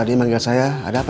tadi manggil saya ada apa